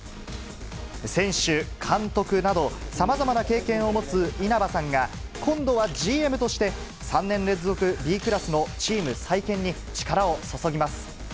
選手、監督など、さまざまな経験を持つ稲葉さんが、今度はＧＭとして、３年連続Ｂクラスのチーム再建に力を注ぎます。